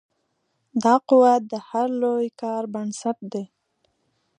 دا قوت د هر لوی کار بنسټ دی.